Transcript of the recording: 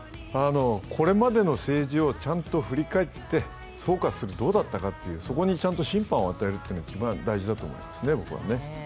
これまでの政治をちゃんと振り返って総括する、どうだったか、そこにちゃんと審判を与えるのが大事だと思いますね。